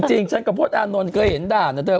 จริงกลับกับโพสต์อะนินทร์เคยเห็นได้นะเธอ